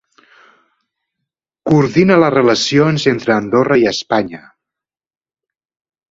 Coordina les Relacions entre Andorra i Espanya.